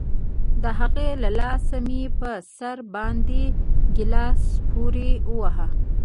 د هغې له لاسه مې په سر باندې گيلاس پورې وواهه.